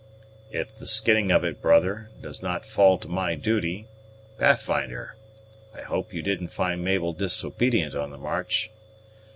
"If the skinning of it, brother, does not fall to my duty. Pathfinder, I hope you didn't find Mabel disobedient on the march?"